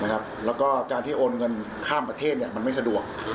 แล้วก็การที่โอนเงินข้ามประเทศมันไม่สะดวก